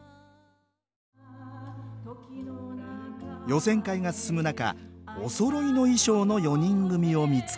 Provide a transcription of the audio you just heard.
予選会が進む中おそろいの衣装の４人組を見つけました